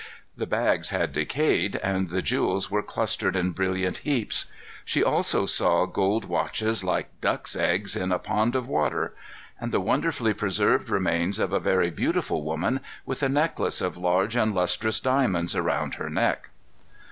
The bags had decayed, and the jewels were clustered in brilliant heaps. She also saw "gold watches, like ducks' eggs in a pond of water," and the wonderfully preserved remains of a very beautiful woman, with a necklace of large and lustrous diamonds around her neck.